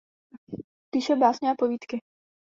Píše básně a povídky.